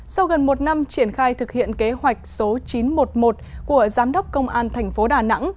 sau gần một năm triển khai thực hiện kế hoạch số chín trăm một mươi một của giám đốc công an thành phố đà nẵng